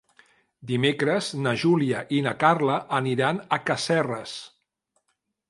Dimecres na Júlia i na Carla aniran a Casserres.